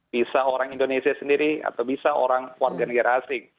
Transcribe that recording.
bisa orang indonesia sendiri atau bisa orang warga negara asing